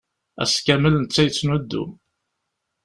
Ass kamel netta yettnuddum.